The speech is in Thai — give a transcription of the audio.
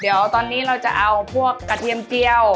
เดี๋ยวตอนนี้เราจะเอาพวกกระเทียมเจียว